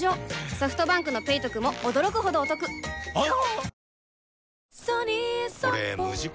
ソフトバンクの「ペイトク」も驚くほどおトクわぁ！